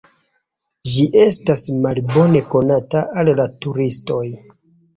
Ĝi estas malbone konata al la turistoj.